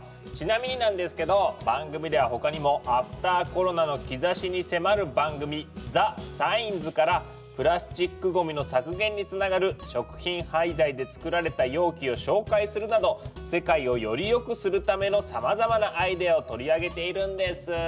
ちなみになんですけど番組では他にもアフターコロナの兆しに迫る番組「ＴｈｅＳｉｇｎｓ」からプラスチックゴミの削減につながる食品廃材で作られた容器を紹介するなど世界をよりよくするためのさまざまなアイデアを取り上げているんです。